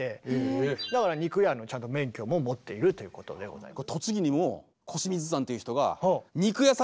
だから肉屋のちゃんと免許も持っているということでございます。